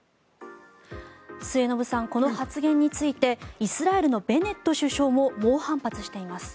末延さん、この発言についてイスラエルのベネット首相も猛反発しています。